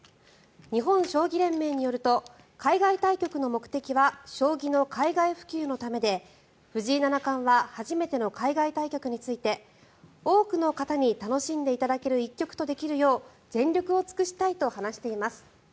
日本将棋連盟によると海外対局の目的は将棋の海外普及のためで藤井七冠は初めての海外対局について多くの方に楽しんでいただける一局とできるよう全力を尽くしたいと話しています。